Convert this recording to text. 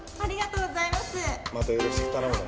またよろしく頼むね。